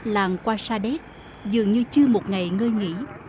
làm qua sa đét dường như chưa một ngày ngơi nghỉ